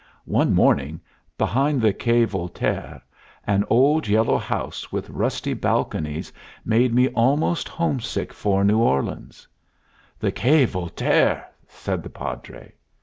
One morning, behind the Quai Voltaire, an old, yellow house with rusty balconies made me almost homesick for New Orleans." "The Quai Voltaire!" said the Padre.